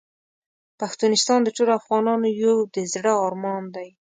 پښتونستان د ټولو افغانانو یو د زړه ارمان دی .